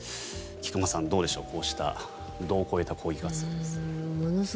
菊間さん、どうでしょうこうした度を越えた抗議活動です。